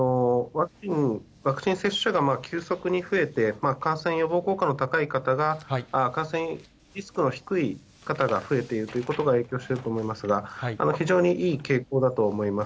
ワクチン接種が急速に増えて、感染予防効果の高い方が、感染リスクの低い方が増えているということが影響していると思いますが、非常にいい傾向だと思います。